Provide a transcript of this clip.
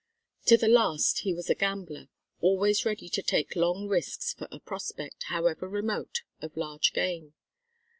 To the last he was a gambler, always ready to take long risks for a prospect, however remote, of large gain.